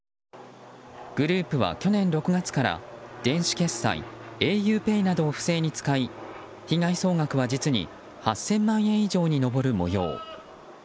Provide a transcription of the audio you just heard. グループは、去年６月から電子決済ａｕＰＡＹなどを不正に使い、被害総額は実に８０００万円以上に上る模様。